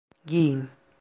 Giyin.